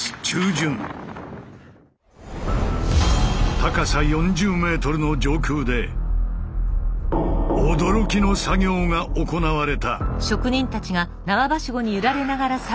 高さ４０ｍの上空で驚きの作業が行われた。